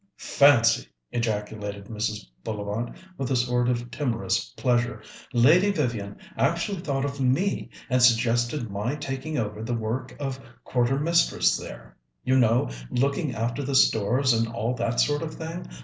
"Fancy!" ejaculated Mrs. Bullivant, with a sort of timorous pleasure, "Lady Vivian actually thought of me, and suggested my taking over the work of quarter mistress there. You know, looking after the stores and all that sort of thing.